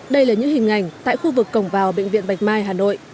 đây là những hình ảnh tại khu vực cổng vào bệnh viện bạch mai hà nội